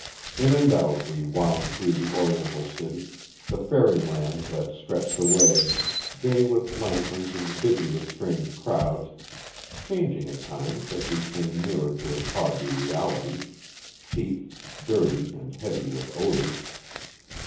In and out we wound through the oriental city the fairy land that stretched away, gay with lanterns and busy with strange crowds, changing at times as we came nearer to a tawdry reality, cheap, dirty, and heavy with odors.